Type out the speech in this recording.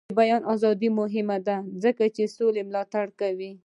د بیان ازادي مهمه ده ځکه چې سوله ملاتړ کوي.